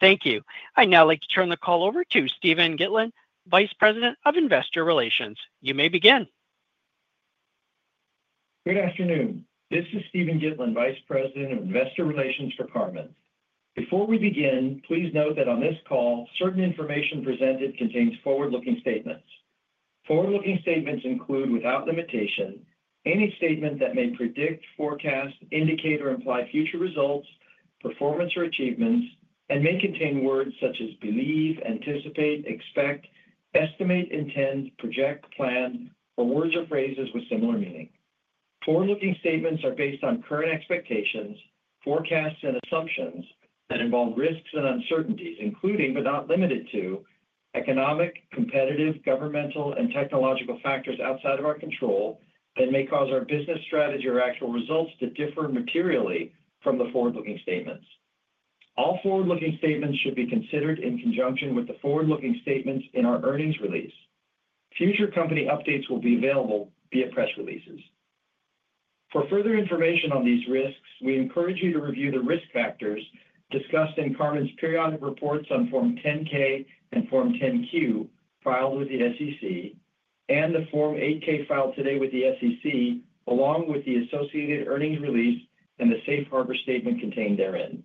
Thank you. I'd now like to turn the call over to Steven Gitlin, Vice President of Investor Relations. You may begin. Good afternoon. This is Steven Gitlin, Vice President of Investor Relations for Karman. Before we begin, please note that on this call, certain information presented contains forward-looking statements. Forward-looking statements include, without limitation, any statement that may predict, forecast, indicate, or imply future results, performance, or achievements, and may contain words such as believe, anticipate, expect, estimate, intend, project, plan, or words or phrases with similar meaning. Forward-looking statements are based on current expectations, forecasts, and assumptions that involve risks and uncertainties, including, but not limited to, economic, competitive, governmental, and technological factors outside of our control and may cause our business strategy or actual results to differ materially from the forward-looking statements. All forward-looking statements should be considered in conjunction with the forward-looking statements in our earnings release. Future company updates will be available via press releases. For further information on these risks, we encourage you to review the risk factors discussed in Karman's periodic reports on Form 10-K and Form 10-Q filed with the SEC and the Form 8-K filed today with the SEC, along with the associated earnings release and the Safe Harbor statement contained therein.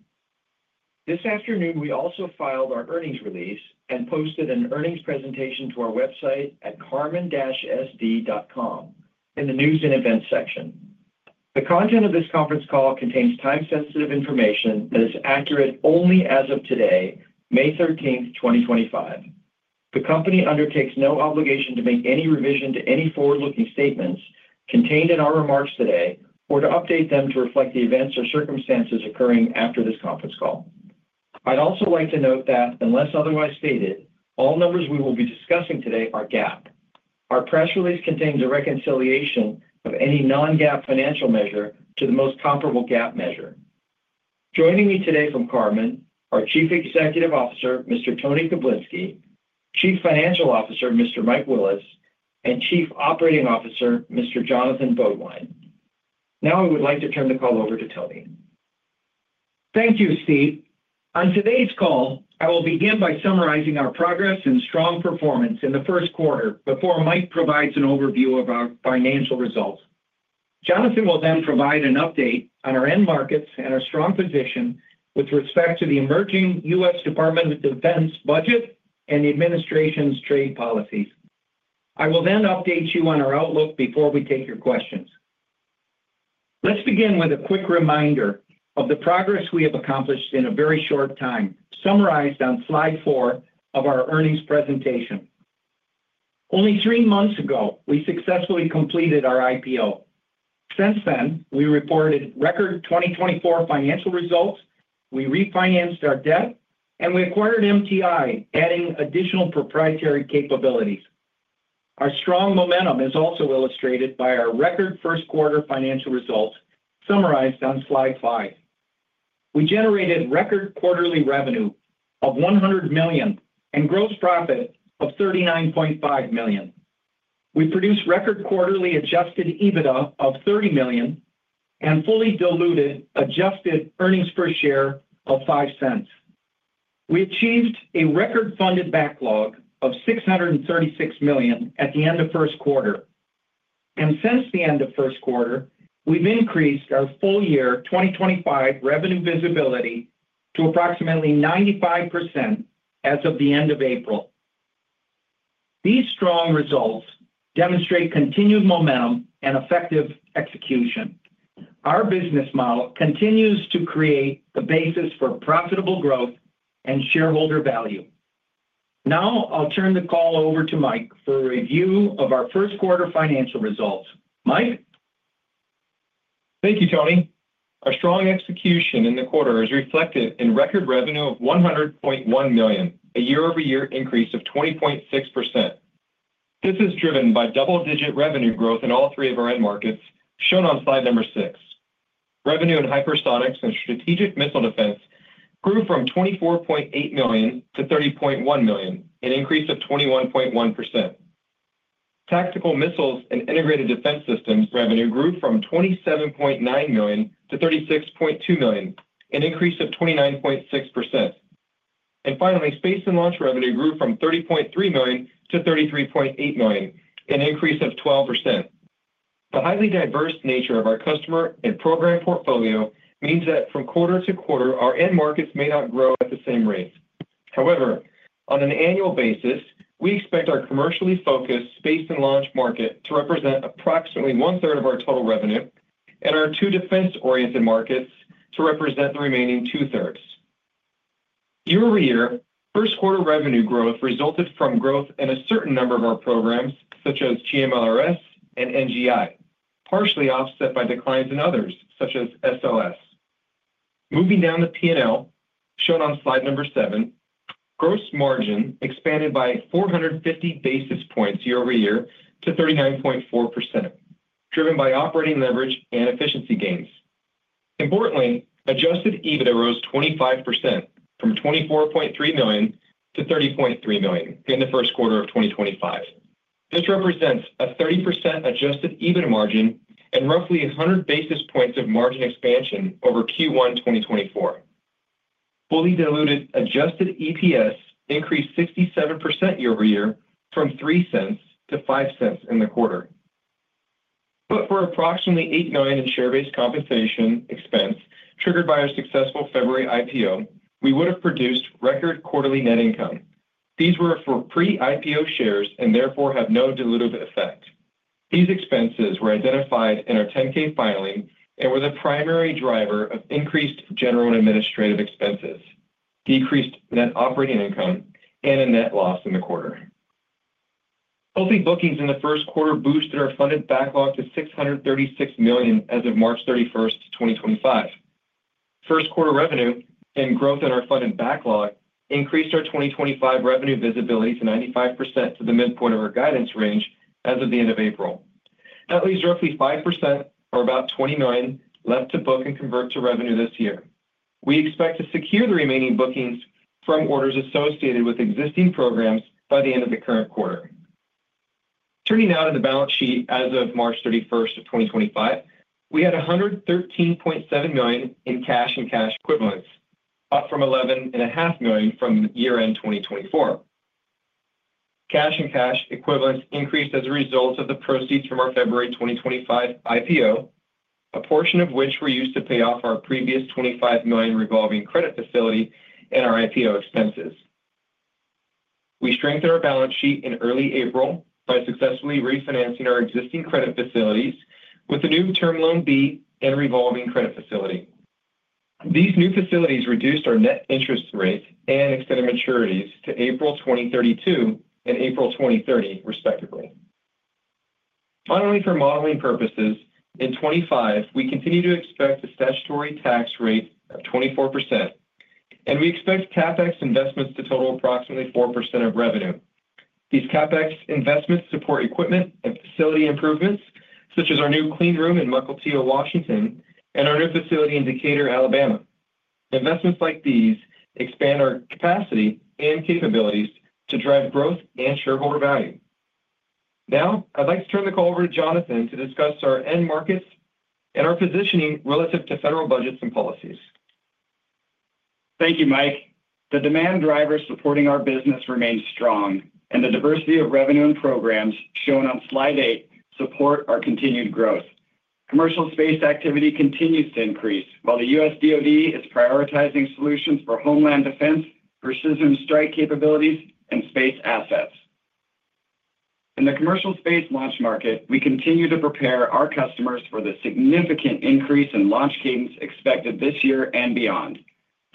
This afternoon, we also filed our earnings release and posted an earnings presentation to our website at karman-sd.com in the news and events section. The content of this conference call contains time-sensitive information that is accurate only as of today, May 13th, 2025. The company undertakes no obligation to make any revision to any forward-looking statements contained in our remarks today or to update them to reflect the events or circumstances occurring after this conference call. I'd also like to note that, unless otherwise stated, all numbers we will be discussing today are GAAP. Our press release contains a reconciliation of any non-GAAP financial measure to the most comparable GAAP measure. Joining me today from Karman are Chief Executive Officer, Mr. Tony Koblinski, Chief Financial Officer, Mr. Mike Willis, and Chief Operating Officer, Mr. Jonathan Beaudoin. Now, I would like to turn the call over to Tony. Thank you, Steve. On today's call, I will begin by summarizing our progress and strong performance in the first quarter before Mike provides an overview of our financial results. Jonathan will then provide an update on our end markets and our strong position with respect to the emerging U.S. Department of Defense budget and the administration's trade policies. I will then update you on our outlook before we take your questions. Let's begin with a quick reminder of the progress we have accomplished in a very short time, summarized on slide four of our earnings presentation. Only three months ago, we successfully completed our IPO. Since then, we reported record 2024 financial results, we refinanced our debt, and we acquired MTI, adding additional proprietary capabilities. Our strong momentum is also illustrated by our record first-quarter financial results, summarized on slide five. We generated record quarterly revenue of $100 million and gross profit of $39.5 million. We produced record quarterly adjusted EBITDA of $30 million and fully diluted adjusted earnings per share of $0.05. We achieved a record funded backlog of $636 million at the end of first quarter. Since the end of first quarter, we've increased our full year 2025 revenue visibility to approximately 95% as of the end of April. These strong results demonstrate continued momentum and effective execution. Our business model continues to create the basis for profitable growth and shareholder value. Now, I'll turn the call over to Mike for a review of our first-quarter financial results. Mike. Thank you, Tony. Our strong execution in the quarter is reflected in record revenue of $100.1 million, a year-over-year increase of 20.6%. This is driven by double-digit revenue growth in all three of our end markets, shown on slide number six. Revenue in hypersonics and strategic missile defense grew from $24.8 million to $30.1 million, an increase of 21.1%. Tactical missiles and integrated defense systems revenue grew from $27.9 million to $36.2 million, an increase of 29.6%. Finally, space and launch revenue grew from $30.3 million to $33.8 million, an increase of 12%. The highly diverse nature of our customer and program portfolio means that from quarter to quarter, our end markets may not grow at the same rate. However, on an annual basis, we expect our commercially focused space and launch market to represent approximately one-third of our total revenue and our two defense-oriented markets to represent the remaining two-thirds. Year-over-year, first-quarter revenue growth resulted from growth in a certain number of our programs, such as GMLRS and NGI, partially offset by declines in others, such as SLS. Moving down the P&L, shown on slide number seven, gross margin expanded by 450 basis points year-over-year to 39.4%, driven by operating leverage and efficiency gains. Importantly, adjusted EBITDA rose 25% from $24.3 million to $30.3 million in the first quarter of 2025. This represents a 30% adjusted EBITDA margin and roughly 100 basis points of margin expansion over Q1 2024. Fully diluted adjusted EPS increased 67% year-over-year from $0.03 to $0.05 in the quarter. For approximately $8 million in share-based compensation expense triggered by our successful February IPO, we would have produced record quarterly net income. These were for pre-IPO shares and therefore have no diluted effect. These expenses were identified in our 10-K filing and were the primary driver of increased general and administrative expenses, decreased net operating income, and a net loss in the quarter. Healthy bookings in the first quarter boosted our funded backlog to $636 million as of March 31, 2025. First-quarter revenue and growth in our funded backlog increased our 2025 revenue visibility to 95% to the midpoint of our guidance range as of the end of April. That leaves roughly 5%, or about $20 million, left to book and convert to revenue this year. We expect to secure the remaining bookings from orders associated with existing programs by the end of the current quarter. Turning now to the balance sheet as of March 31, 2025, we had $113.7 million in cash and cash equivalents, up from $11.5 million from year-end 2024. Cash and cash equivalents increased as a result of the proceeds from our February 2025 IPO, a portion of which we used to pay off our previous $25 million revolving credit facility and our IPO expenses. We strengthened our balance sheet in early April by successfully refinancing our existing credit facilities with a new Term Loan B and revolving credit facility. These new facilities reduced our net interest rate and extended maturities to April 2032 and April 2030, respectively. Finally, for modeling purposes, in 2025, we continue to expect a statutory tax rate of 24%, and we expect CapEx investments to total approximately 4% of revenue. These CapEx investments support equipment and facility improvements, such as our new clean room in Mukilteo, Washington, and our new facility in Decatur, Alabama. Investments like these expand our capacity and capabilities to drive growth and shareholder value. Now, I'd like to turn the call over to Jonathan to discuss our end markets and our positioning relative to federal budgets and policies. Thank you, Mike. The demand drivers supporting our business remain strong, and the diversity of revenue and programs shown on slide eight support our continued growth. Commercial space activity continues to increase while the U.S. DOD is prioritizing solutions for homeland defense, precision strike capabilities, and space assets. In the commercial space launch market, we continue to prepare our customers for the significant increase in launch cadence expected this year and beyond.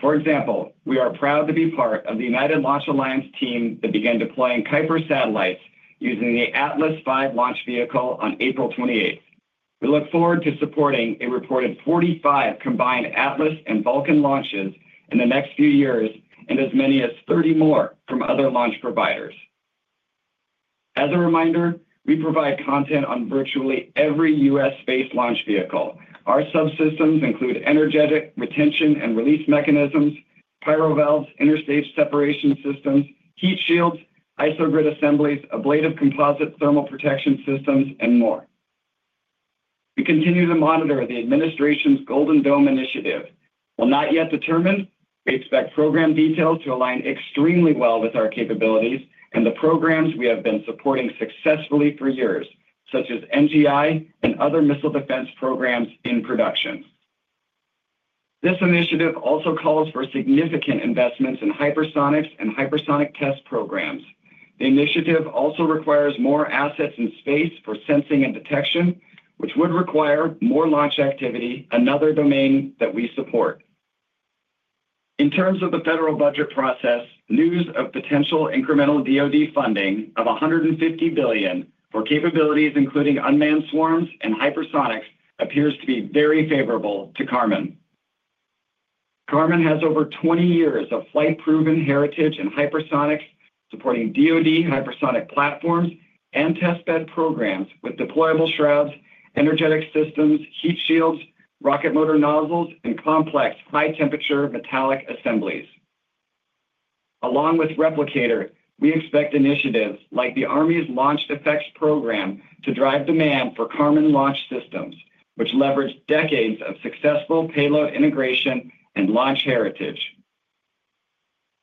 For example, we are proud to be part of the United Launch Alliance team that began deploying Kuiper satellites using the Atlas V launch vehicle on April 28th. We look forward to supporting a reported 45 combined Atlas and Vulcan launches in the next few years and as many as 30 more from other launch providers. As a reminder, we provide content on virtually every U.S. space launch vehicle. Our subsystems include energetic retention and release mechanisms, pyro valves, interstage separation systems, heat shields, isogrid assemblies, ablative composite thermal protection systems, and more. We continue to monitor the administration's Golden Dome Initiative. While not yet determined, we expect program details to align extremely well with our capabilities and the programs we have been supporting successfully for years, such as NGI and other missile defense programs in production. This initiative also calls for significant investments in hypersonics and hypersonic test programs. The initiative also requires more assets in space for sensing and detection, which would require more launch activity, another domain that we support. In terms of the federal budget process, news of potential incremental DOD funding of $150 billion for capabilities including unmanned swarms and hypersonics appears to be very favorable to Karman. Karman has over 20 years of flight-proven heritage in hypersonics, supporting DOD hypersonic platforms and test bed programs with deployable shrouds, energetic systems, heat shields, rocket motor nozzles, and complex high-temperature metallic assemblies. Along with Replicator, we expect initiatives like the Army's Launch Effects Program to drive demand for Karman launch systems, which leverage decades of successful payload integration and launch heritage.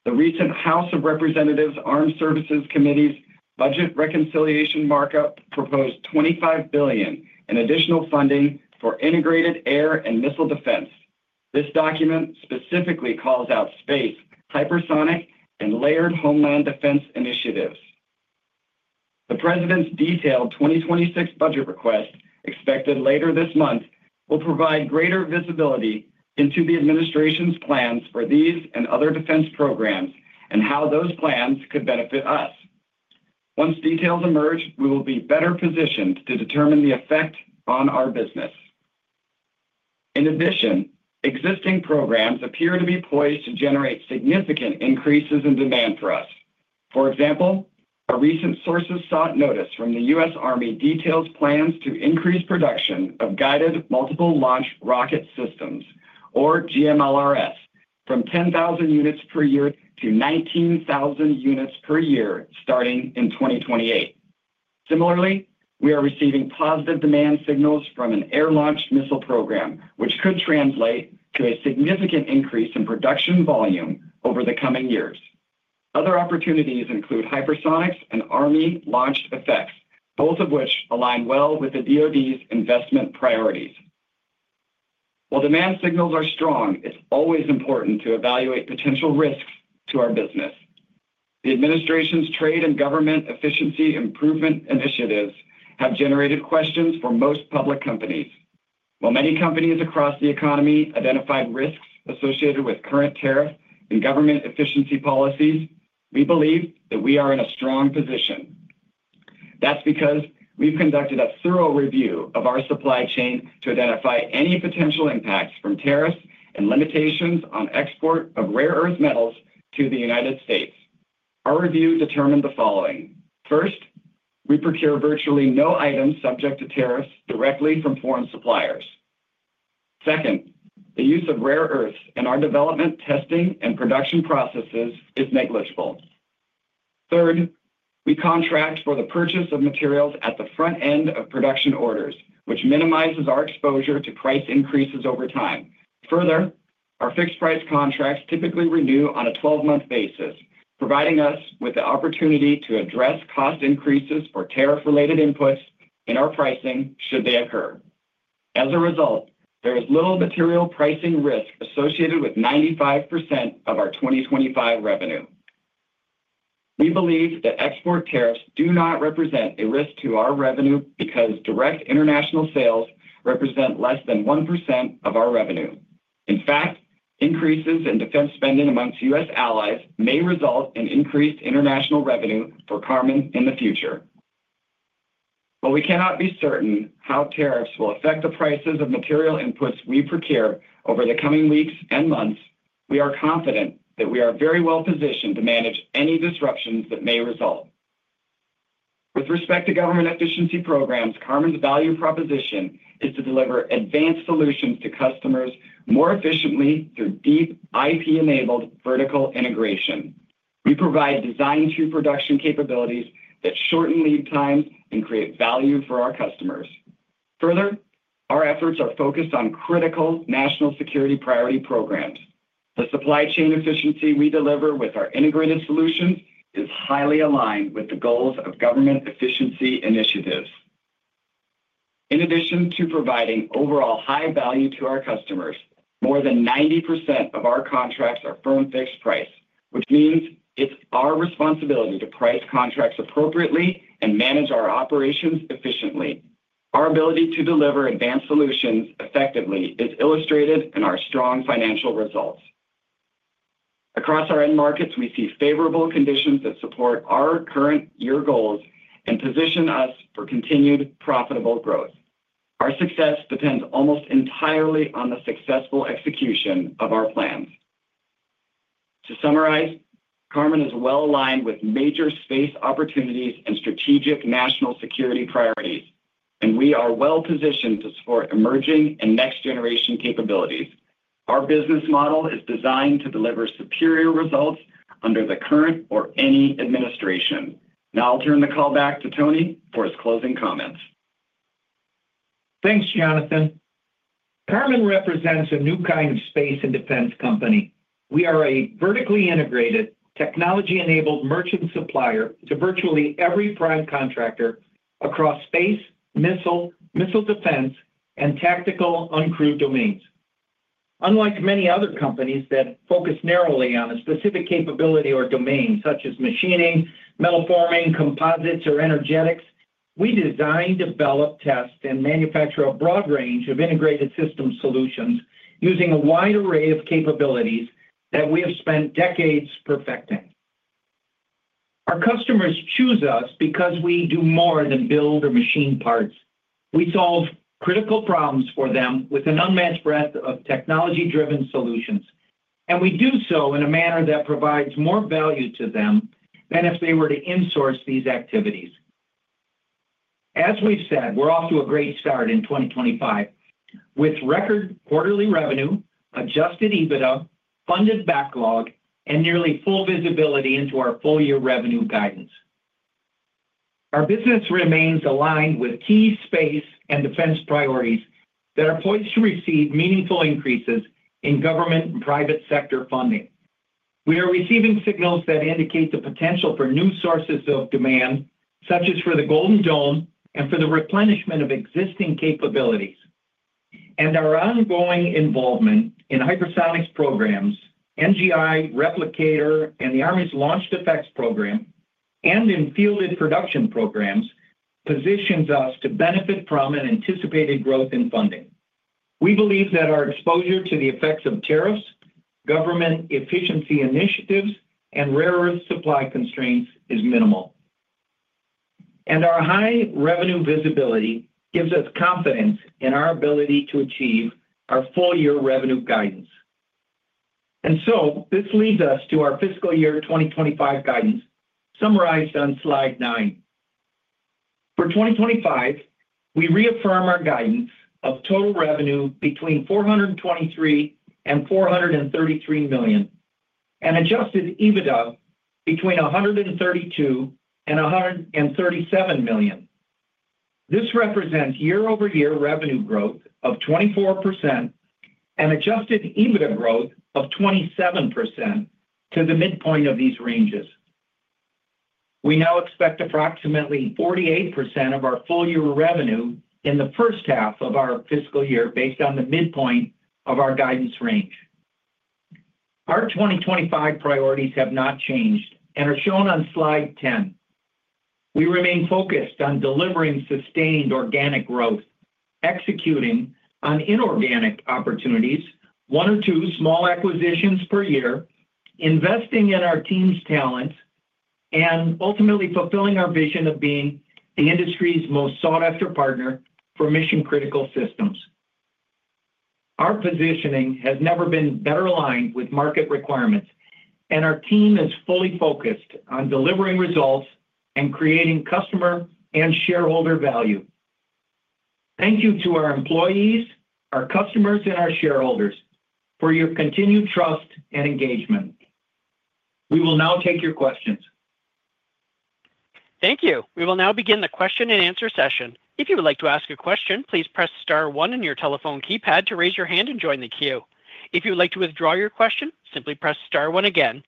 The recent House of Representatives Armed Services Committee's budget reconciliation markup proposed $25 billion in additional funding for integrated air and missile defense. This document specifically calls out space, hypersonic, and layered homeland defense initiatives. The president's detailed 2026 budget request, expected later this month, will provide greater visibility into the administration's plans for these and other defense programs and how those plans could benefit us. Once details emerge, we will be better positioned to determine the effect on our business. In addition, existing programs appear to be poised to generate significant increases in demand for us. For example, a recent Sources Sought Notice from the U.S. Army details plans to increase production of guided multiple launch rocket systems, or GMLRS, from 10,000 units per year to 19,000 units per year starting in 2028. Similarly, we are receiving positive demand signals from an air-launched missile program, which could translate to a significant increase in production volume over the coming years. Other opportunities include hypersonics and Army launched effects, both of which align well with the DOD's investment priorities. While demand signals are strong, it's always important to evaluate potential risks to our business. The administration's trade and government efficiency improvement initiatives have generated questions for most public companies. While many companies across the economy identified risks associated with current tariff and government efficiency policies, we believe that we are in a strong position. That's because we've conducted a thorough review of our supply chain to identify any potential impacts from tariffs and limitations on export of rare earth metals to the United States. Our review determined the following. First, we procure virtually no items subject to tariffs directly from foreign suppliers. Second, the use of rare earths in our development, testing, and production processes is negligible. Third, we contract for the purchase of materials at the front end of production orders, which minimizes our exposure to price increases over time. Further, our fixed-price contracts typically renew on a 12-month basis, providing us with the opportunity to address cost increases or tariff-related inputs in our pricing should they occur. As a result, there is little material pricing risk associated with 95% of our 2025 revenue. We believe that export tariffs do not represent a risk to our revenue because direct international sales represent less than 1% of our revenue. In fact, increases in defense spending amongst U.S. allies may result in increased international revenue for Karman in the future. While we cannot be certain how tariffs will affect the prices of material inputs we procure over the coming weeks and months, we are confident that we are very well positioned to manage any disruptions that may result. With respect to government efficiency programs, Karman's value proposition is to deliver advanced solutions to customers more efficiently through deep IP-enabled vertical integration. We provide design-to-production capabilities that shorten lead times and create value for our customers. Further, our efforts are focused on critical national security priority programs. The supply chain efficiency we deliver with our integrated solutions is highly aligned with the goals of government efficiency initiatives. In addition to providing overall high value to our customers, more than 90% of our contracts are firm fixed price, which means it's our responsibility to price contracts appropriately and manage our operations efficiently. Our ability to deliver advanced solutions effectively is illustrated in our strong financial results. Across our end markets, we see favorable conditions that support our current year goals and position us for continued profitable growth. Our success depends almost entirely on the successful execution of our plans. To summarize, Karman is well aligned with major space opportunities and strategic national security priorities, and we are well positioned to support emerging and next-generation capabilities. Our business model is designed to deliver superior results under the current or any administration. Now I'll turn the call back to Tony for his closing comments. Thanks, Jonathan. Karman represents a new kind of space and defense company. We are a vertically integrated, technology-enabled merchant supplier to virtually every prime contractor across space, missile, missile defense, and tactical uncrewed domains. Unlike many other companies that focus narrowly on a specific capability or domain, such as machining, metal forming, composites, or energetics, we design, develop, test, and manufacture a broad range of integrated system solutions using a wide array of capabilities that we have spent decades perfecting. Our customers choose us because we do more than build or machine parts. We solve critical problems for them with an unmatched breadth of technology-driven solutions, and we do so in a manner that provides more value to them than if they were to insource these activities. As we've said, we're off to a great start in 2025 with record quarterly revenue, Adjusted EBITDA, Funded Backlog, and nearly full visibility into our full-year revenue guidance. Our business remains aligned with key space and defense priorities that are poised to receive meaningful increases in government and private sector funding. We are receiving signals that indicate the potential for new sources of demand, such as for the Golden Dome and for the replenishment of existing capabilities, and our ongoing involvement in hypersonics programs, NGI, Replicator, and the Army's Launch Defects Program, and in fielded production programs positions us to benefit from and anticipated growth in funding. We believe that our exposure to the effects of tariffs, government efficiency initiatives, and rare earth supply constraints is minimal, and our high revenue visibility gives us confidence in our ability to achieve our full-year revenue guidance. This leads us to our fiscal year 2025 guidance summarized on slide nine. For 2025, we reaffirm our guidance of total revenue between $423 million and $433 million and adjusted EBITDA between $132 million and $137 million. This represents year-over-year revenue growth of 24% and adjusted EBITDA growth of 27% to the midpoint of these ranges. We now expect approximately 48% of our full-year revenue in the first half of our fiscal year based on the midpoint of our guidance range. Our 2025 priorities have not changed and are shown on slide 10. We remain focused on delivering sustained organic growth, executing on inorganic opportunities, one or two small acquisitions per year, investing in our team's talents, and ultimately fulfilling our vision of being the industry's most sought-after partner for mission-critical systems. Our positioning has never been better aligned with market requirements, and our team is fully focused on delivering results and creating customer and shareholder value. Thank you to our employees, our customers, and our shareholders for your continued trust and engagement. We will now take your questions. Thank you. We will now begin the question-and-answer session. If you would like to ask a question, please press star one on your telephone keypad to raise your hand and join the queue. If you would like to withdraw your question, simply press star one again.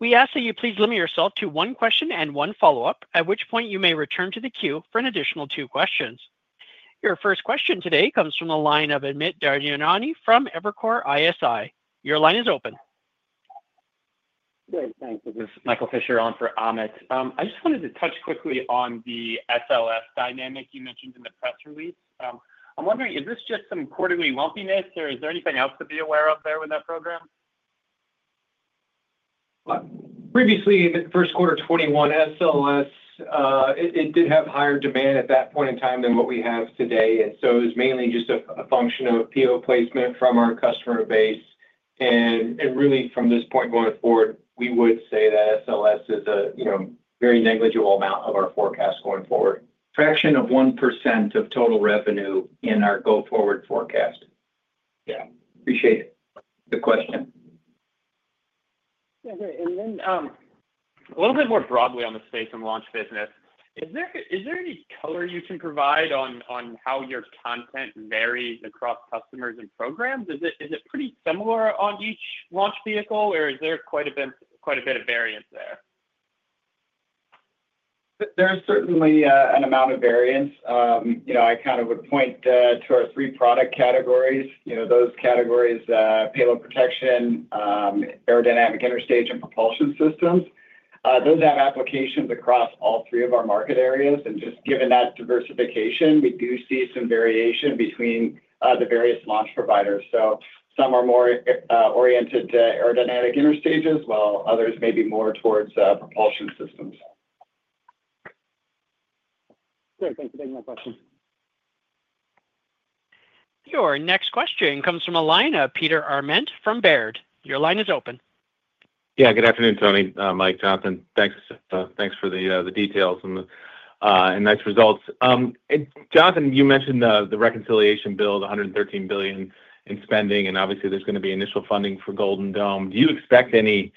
We ask that you please limit yourself to one question and one follow-up, at which point you may return to the queue for an additional two questions. Your first question today comes from the line of Amit Darjanani from Evercore ISI. Your line is open. Good. Thanks. This is Michael Fisher on for Amit. I just wanted to touch quickly on the SLS dynamic you mentioned in the press release. I'm wondering, is this just some quarterly lumpiness, or is there anything else to be aware of there with that program? Previously, in the first quarter 2021, SLS, it did have higher demand at that point in time than what we have today. It was mainly just a function of PO placement from our customer base. Really, from this point going forward, we would say that SLS is a very negligible amount of our forecast going forward. Traction of 1% of total revenue in our go forward forecast. Yeah. Appreciate the question. A little bit more broadly on the space and launch business, is there any color you can provide on how your content varies across customers and programs? Is it pretty similar on each launch vehicle, or is there quite a bit of variance there? There's certainly an amount of variance. I kind of would point to our three product categories. Those categories: Payload Protection and Deployment Systems, Aerodynamic Interstage Systems, and Propulsion Systems. Those have applications across all three of our market areas. Just given that diversification, we do see some variation between the various launch providers. Some are more oriented to Aerodynamic Interstage Systems, while others may be more towards Propulsion Systems. Good. Thanks for taking my question. Your next question comes from Peter Arment from Baird. Your line is open. Yeah. Good afternoon, Tony. Mike Johnson. Thanks for the details and nice results. Johnson, you mentioned the reconciliation bill, the $113 billion in spending, and obviously there's going to be initial funding for Golden Dome. Do you expect any,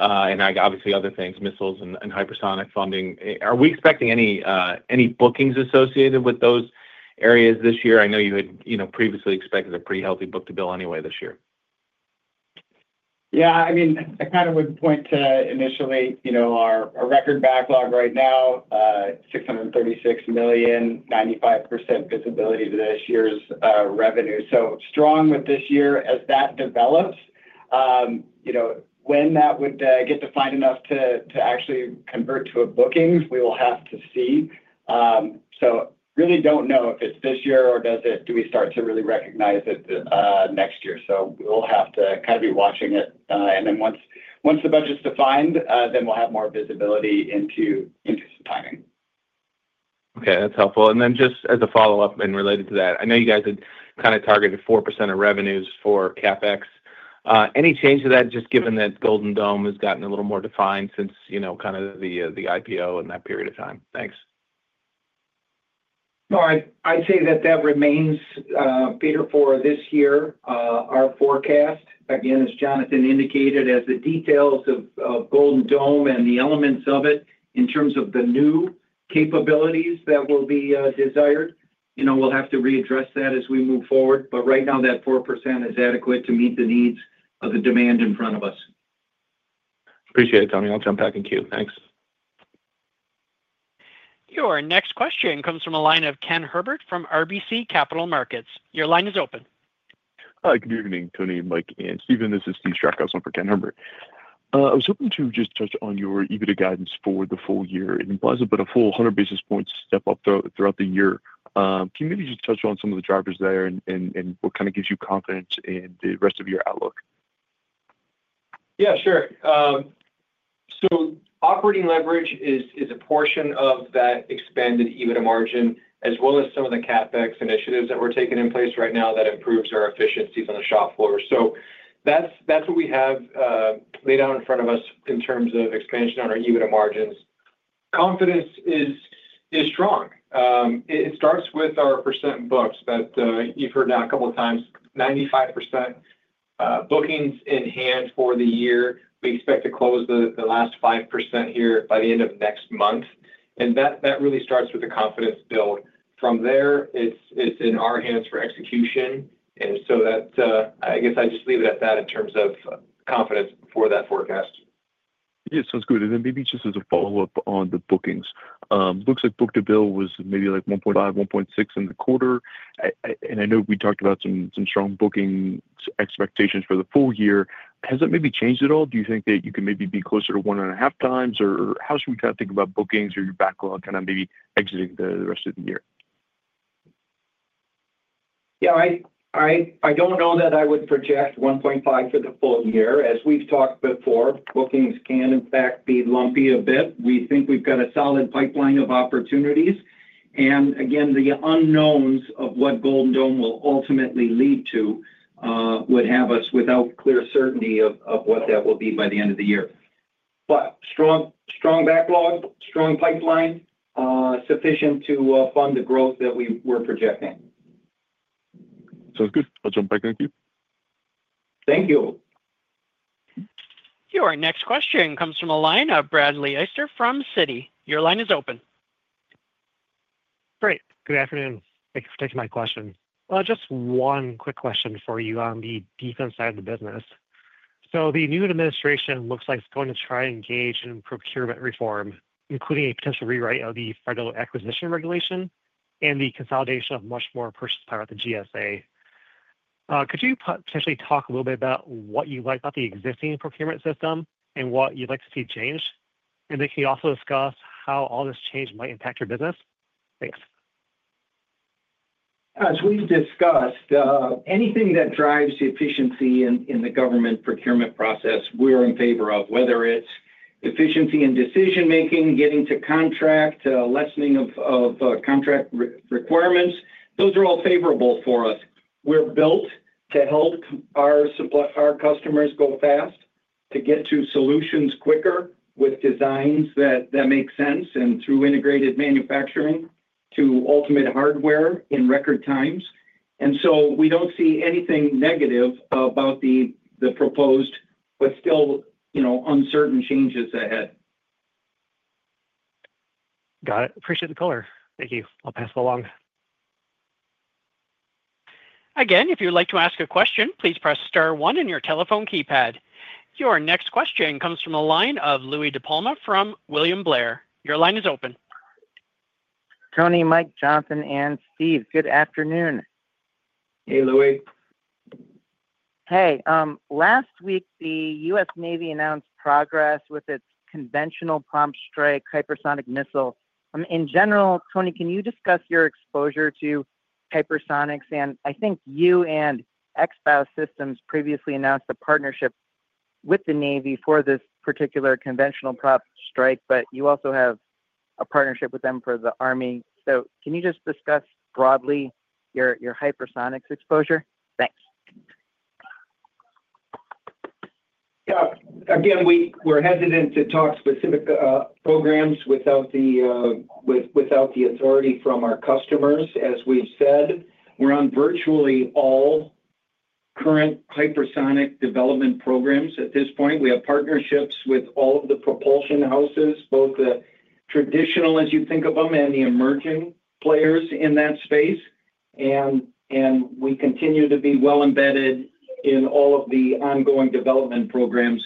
and obviously other things, missiles and hypersonic funding? Are we expecting any bookings associated with those areas this year? I know you had previously expected a pretty healthy book to bill anyway this year. Yeah. I mean, I kind of would point to initially our record backlog right now: $636 million, 95% visibility to this year's revenue. So strong with this year as that develops. When that would get defined enough to actually convert to a booking, we will have to see. Really do not know if it is this year or do we start to really recognize it next year. We will have to kind of be watching it. Once the budget is defined, then we will have more visibility into some timing. Okay. That's helpful. And then just as a follow-up and related to that, I know you guys had kind of targeted 4% of revenues for CapEx. Any change to that, just given that Golden Dome has gotten a little more defined since kind of the IPO in that period of time? Thanks. No, I'd say that that remains, Peter Ford, this year, our forecast. Again, as Jonathan indicated, as the details of Golden Dome and the elements of it in terms of the new capabilities that will be desired, we'll have to readdress that as we move forward. Right now, that 4% is adequate to meet the needs of the demand in front of us. Appreciate it, Tony. I'll jump back in queue. Thanks. Your next question comes from a line of Ken Herbert from RBC Capital Markets. Your line is open. Hi. Good evening, Tony, Mike, and Steven. This is Steve Strackhouse from Ken Herbert. I was hoping to just touch on your EBITDA guidance for the full year. It implies a bit of full 100 basis points step-up throughout the year. Can you maybe just touch on some of the drivers there and what kind of gives you confidence in the rest of your outlook? Yeah, sure. Operating leverage is a portion of that expanded EBITDA margin, as well as some of the CapEx initiatives that we're taking in place right now that improves our efficiencies on the shop floor. That's what we have laid out in front of us in terms of expansion on our EBITDA margins. Confidence is strong. It starts with our percent books, but you've heard that a couple of times: 95% bookings in hand for the year. We expect to close the last 5% here by the end of next month. That really starts with the confidence build. From there, it's in our hands for execution. I guess I just leave it at that in terms of confidence for that forecast. Yeah. Sounds good. Maybe just as a follow-up on the bookings, looks like book to bill was maybe like $1.5 million, $1.6 million in the quarter. I know we talked about some strong booking expectations for the full year. Has that maybe changed at all? Do you think that you can maybe be closer to one and a half times, or how should we kind of think about bookings or your backlog kind of maybe exiting the rest of the year? Yeah. I don't know that I would project $1.5 million for the full year. As we've talked before, bookings can in fact be lumpy a bit. We think we've got a solid pipeline of opportunities. Again, the unknowns of what Golden Dome will ultimately lead to would have us without clear certainty of what that will be by the end of the year. Strong backlog, strong pipeline, sufficient to fund the growth that we were projecting. Sounds good. I'll jump back in queue. Thank you. Your next question comes from Bradley Eyster from Citi. Your line is open. Great. Good afternoon. Thank you for taking my question. Just one quick question for you on the defense side of the business. The new administration looks like it's going to try to engage in procurement reform, including a potential rewrite of the federal acquisition regulation and the consolidation of much more purchase power at the GSA. Could you potentially talk a little bit about what you like about the existing procurement system and what you'd like to see changed? Can you also discuss how all this change might impact your business? Thanks. As we've discussed, anything that drives efficiency in the government procurement process, we're in favor of. Whether it's efficiency in decision-making, getting to contract, lessening of contract requirements, those are all favorable for us. We're built to help our customers go fast, to get to solutions quicker with designs that make sense and through integrated manufacturing to ultimate hardware in record times. We don't see anything negative about the proposed, but still uncertain changes ahead. Got it. Appreciate the color. Thank you. I'll pass it along. Again, if you'd like to ask a question, please press star one on your telephone keypad. Your next question comes from the line of Louie DiPalma from William Blair. Your line is open. Tony, Mike, Jonathan, and Steve. Good afternoon. Hey, Louie. Hey. Last week, the U.S. Navy announced progress with its conventional bomb strike hypersonic missile. In general, Tony, can you discuss your exposure to hypersonics? I think you and X-Bow Systems previously announced a partnership with the Navy for this particular conventional prop strike, but you also have a partnership with them for the Army. Can you just discuss broadly your hypersonics exposure? Thanks. Yeah. Again, we're hesitant to talk specific programs without the authority from our customers. As we've said, we're on virtually all current hypersonic development programs at this point. We have partnerships with all of the propulsion houses, both the traditional, as you think of them, and the emerging players in that space. We continue to be well embedded in all of the ongoing development programs,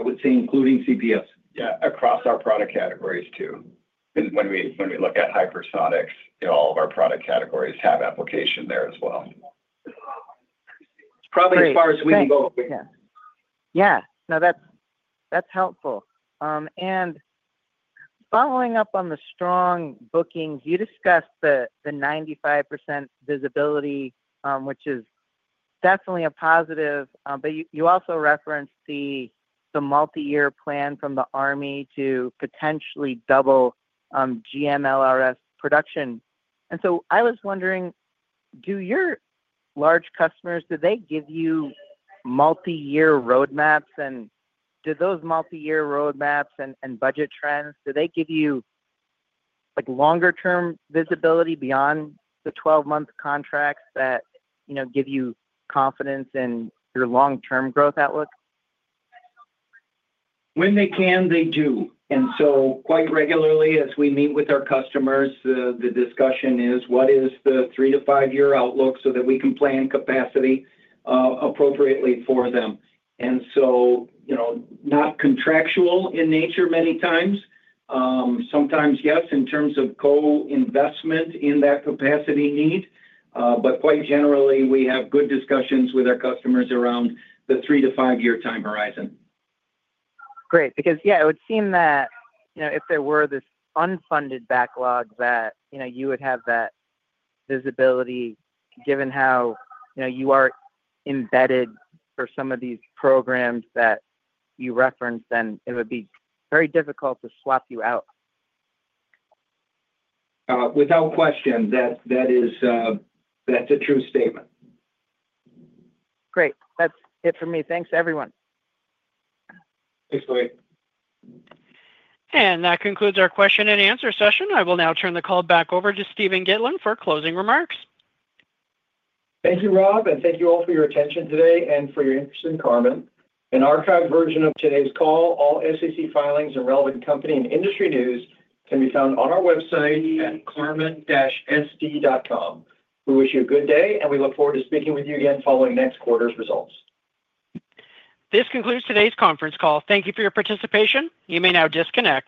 I would say, including CPS. Yeah. Across our product categories too. When we look at hypersonics, all of our product categories have application there as well. Probably as far as we can go. Yeah. No, that's helpful. Following up on the strong bookings, you discussed the 95% visibility, which is definitely a positive. You also referenced the multi-year plan from the Army to potentially double GMLRS production. I was wondering, do your large customers, do they give you multi-year roadmaps? Do those multi-year roadmaps and budget trends, do they give you longer-term visibility beyond the 12-month contracts that give you confidence in your long-term growth outlook? When they can, they do. Quite regularly, as we meet with our customers, the discussion is, what is the three to five-year outlook so that we can plan capacity appropriately for them? Not contractual in nature many times. Sometimes yes, in terms of co-investment in that capacity need. Quite generally, we have good discussions with our customers around the three to five-year time horizon. Great. Because, yeah, it would seem that if there were this unfunded backlog, that you would have that visibility given how you are embedded for some of these programs that you referenced, then it would be very difficult to swap you out. Without question. That's a true statement. Great. That's it for me. Thanks, everyone. Thanks, Tony. That concludes our question-and-answer session. I will now turn the call back over to Steven Gitlin for closing remarks. Thank you, Rob. Thank you all for your attention today and for your interest in Karman. An archived version of today's call, all SEC filings, and relevant company and industry news can be found on our website at karman-sd.com. We wish you a good day, and we look forward to speaking with you again following next quarter's results. This concludes today's conference call. Thank you for your participation. You may now disconnect.